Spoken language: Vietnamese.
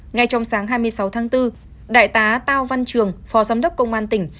ngay trong sáng hai mươi sáu tháng bốn đại tá cao văn trường phó giám đốc công an tỉnh